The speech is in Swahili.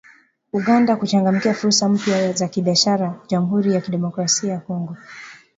Uganda kuchangamkia fursa mpya za kibiashara Jamhuri ya Kidemokrasia ya Kongo